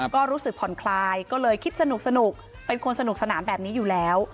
ก็รู้สึกผ่อนคลายก็เลยคิดสนุกเป็นคนสนุกสนานแบบนี้อยู่แล้ว